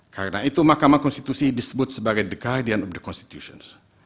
karena itu mahkamah konstitusi disebut sebagai the guardian of the constitution